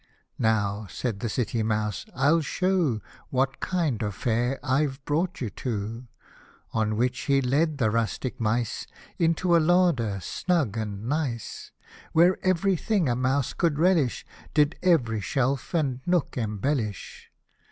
" Now," said the city mouse, " I'll show What kind of fare I've brought you to :" On which he led the rustic mice Into a larder, snug and nice, Where ev'ry thing a mouse could relish Did ev'ry shelf and nook embellish.